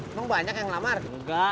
emang banyak yang lamaran ya